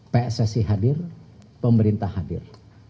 pssi hadir pemerintah hadir